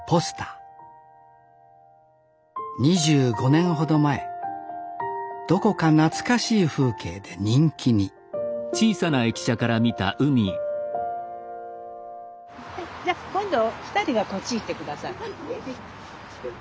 ２５年ほど前どこか懐かしい風景で人気にじゃあ今度２人がこっち行って下さい。